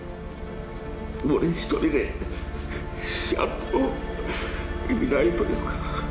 俺一人でやると意味ないというか。